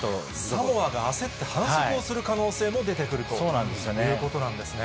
サモアが焦って反則をする可能性も出てくるということなんですね。